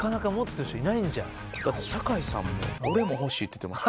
だって酒井さんも俺も欲しいって言ってました。